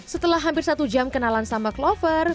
setelah hampir satu jam kenalan sama clover